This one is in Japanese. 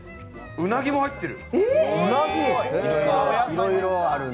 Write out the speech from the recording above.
うなぎも入ってる！